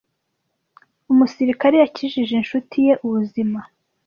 Umusirikare yakijije inshuti ye ubuzima